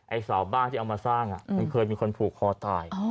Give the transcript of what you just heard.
สาวบ้านที่เอามาสร้างมันเคยมีคนผูกคอตาย